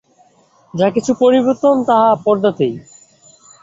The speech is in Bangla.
যাহা কিছু পরিবর্তন, তাহা পর্দাতেই।